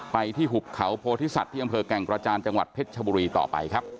ไปที่หุบเขาโพธิสัตว์ที่อำเภอแก่งกระจานจังหวัดเพชรชบุรีต่อไปครับ